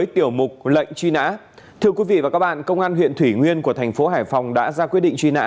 thưa quý vị và các bạn công an huyện thủy nguyên của thành phố hải phòng đã ra quyết định truy nã